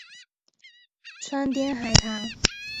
川滇海棠